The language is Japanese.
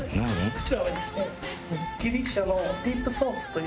こちらはですね。